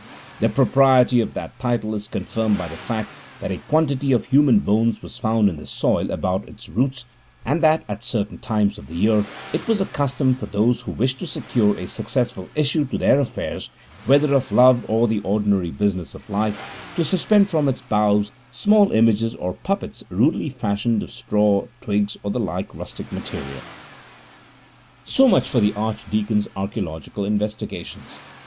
The propriety of that title is confirmed by the fact that a quantity of human bones was found in the soil about its roots, and that at certain times of the year it was the custom for those who wished to secure a successful issue to their affairs, whether of love or the ordinary business of life, to suspend from its boughs small images or puppets rudely fashioned of straw, twigs, or the like rustic materials.' So much for the archdeacon's archaeological investigations.